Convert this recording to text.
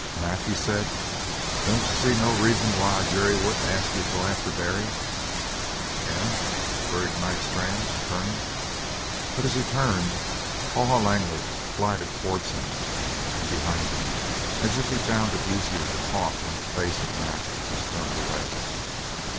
"Mac," he said, "don't you see no reason why Jerry wouldn't ask you to go after Barry?" "Eh?" queried Mac Strann, turning. But as he turned, Haw Haw Langley glided towards him, and behind him, as if he found it easier to talk when the face of Mac was turned away.